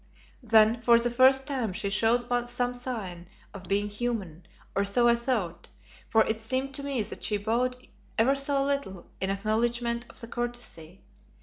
Then for the first time she showed some sign of being human, or so I thought, for it seemed to me that she bowed ever so little in acknowledgment of the courtesy.